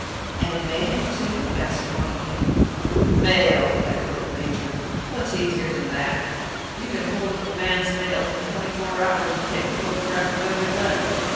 "And mail, too?" asked Montague. "Mail!" echoed the Major. "What's easier than that? You can hold up a man's mail for twenty four hours and take a photograph of every letter.